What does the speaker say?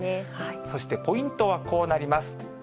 そして、ポイントはこうなります。